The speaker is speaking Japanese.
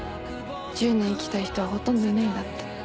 １０年生きた人はほとんどいないんだって。